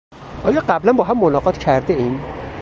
آیا قبلا با هم ملاقات کردهایم؟